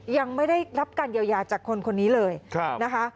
ยังไม่ได้รับการเยียวยาจากคนคนนี้เลยนะคะ